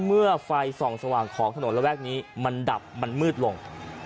เมื่อไฟส่องสว่างของถนนระแวกนี้มันดับมันมืดลง